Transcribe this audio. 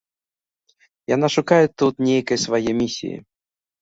Яна шукае тут нейкай свае місіі.